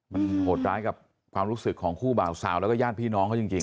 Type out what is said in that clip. มันโหดร้ายกับความรู้สึกของคู่บ่าวสาวแล้วก็ญาติพี่น้องเขาจริง